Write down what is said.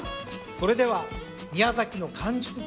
それでは宮崎の完熟きんかん